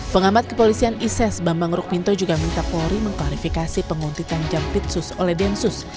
pengamat kepolisian ises bambang rukminto juga minta polri mengklarifikasi penguntitan jampitsus oleh densus